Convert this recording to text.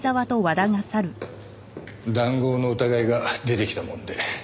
談合の疑いが出てきたもんで。